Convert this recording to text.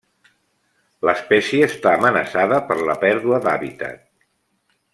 L'espècie està amenaçada per la pèrdua d'hàbitat.